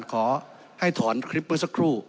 ขอให้ถอนคลิปเมื่อสักครู่